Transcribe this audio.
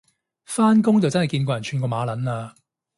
返工就真係見過人串過馬撚嘞